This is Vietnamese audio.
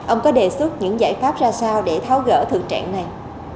ông có đề xuất những giải pháp ra sao để tháo gỡ thực trạng này